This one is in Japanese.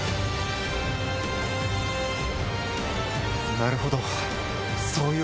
なるほど。